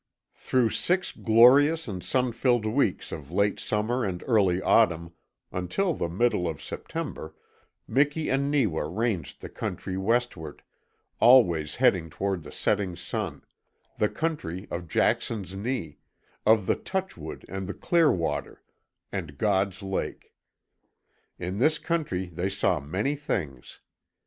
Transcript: Through six glorious and sun filled weeks of late summer and early autumn until the middle of September Miki and Neewa ranged the country westward, always heading toward the setting sun, the country of Jackson's Knee, of the Touchwood and the Clearwater, and God's Lake. In this country they saw many things.